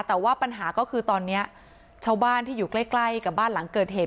แต่ว่าปัญหาก็คือตอนนี้ชาวบ้านที่อยู่ใกล้ใกล้กับบ้านหลังเกิดเหตุ